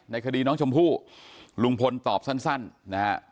คดีน้องชมพู่ลุงพลตอบสั้นนะฮะ